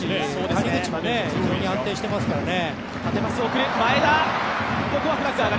谷口も非常に安定していますからね。